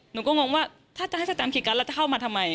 หนูก็งงว่าถ้าจะให้สแตมขี่กัสแล้วจะเข้ามาทำไม